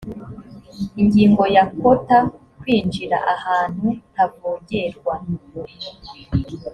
ingingo ya quater kwinjira ahantu ntavogerwa